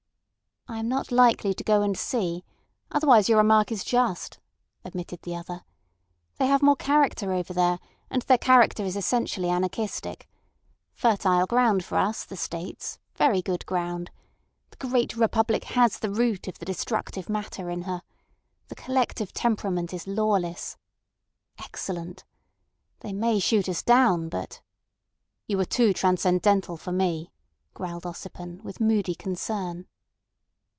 "I am not likely to go and see. Otherwise your remark is just," admitted the other. "They have more character over there, and their character is essentially anarchistic. Fertile ground for us, the States—very good ground. The great Republic has the root of the destructive matter in her. The collective temperament is lawless. Excellent. They may shoot us down, but—" "You are too transcendental for me," growled Ossipon, with moody concern.